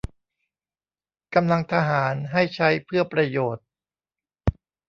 กำลังทหารให้ใช้เพื่อประโยชน์